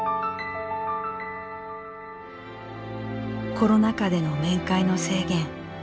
コロナ禍での面会の制限。